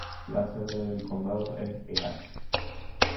La sede del condado es Eads.